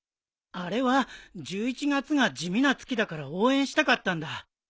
あれは１１月が地味な月だから応援したかったんだ。